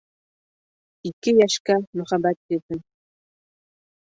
Ике йәшкә мөхәббәт бирһен!